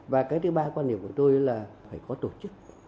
và cái thứ ba quan điểm của tôi là phải có tổ chức